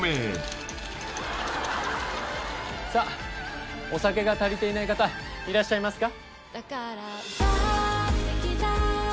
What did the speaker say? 「さっお酒が足りていない方いらっしゃいますか？」